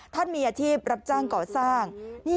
ท่านมีอาชีพรับจ้างเกาะสร้าง